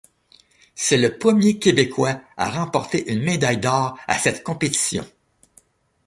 C'est le premier québécois à remporter une médaille d'or à cette compétition.